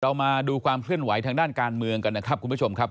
เรามาดูความเคลื่อนไหวทางด้านการเมืองกันนะครับคุณผู้ชมครับ